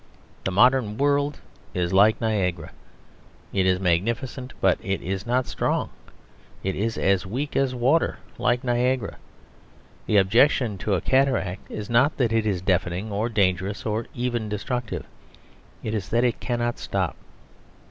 The modern world is like Niagara. It is magnificent, but it is not strong. It is as weak as water like Niagara. The objection to a cataract is not that it is deafening or dangerous or even destructive; it is that it cannot stop.